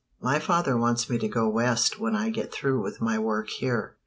_My father wants me to go West when I get through with my work here.